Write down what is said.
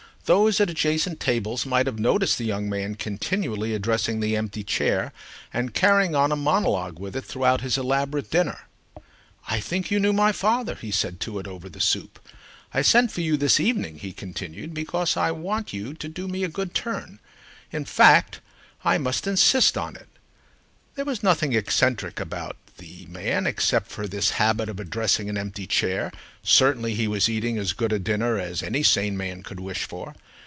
Those at adjacent tables might have noticed the young man continually addressing the empty chair and carrying on a monologue with it throughout his elaborate dinner. "I think you knew my father," he said to it over the soup. "I sent for you this evening," he continued, "because I want you to do me a good turn; in fact I must insist on it." There was nothing eccentric about the man except for this habit of addressing an empty chair, certainly he was eating as good a dinner as any sane man could wish for.